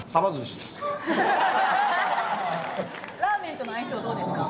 ラーメンとの相性どうですか？